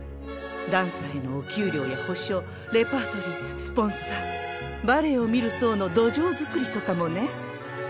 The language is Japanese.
ダンサーへのお給料や保証レパートリースポンサーバレエを見る層の土壌作りとかもね。